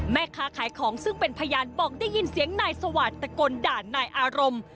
แม่ค้าขายของซึ่งเป็นพยานบอกได้ยินเสียงนายสวาสตะโกนด่านายอารมณ์